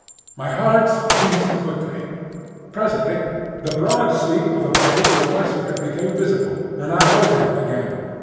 My heart beat quickly. Presently the broad sweep of a bay to the westward became visible, and I halted again.